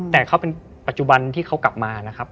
แต่เขาเป็นปัจจุบันที่เขากลับมานะครับ